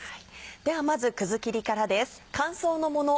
ではまずくずきりからです。